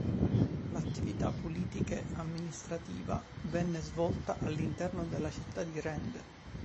L'attività politiche amministrativa venne svolta all'interno della città di Rende.